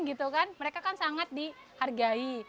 dia sangat dihargai